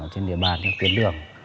trên địa bàn tiến đường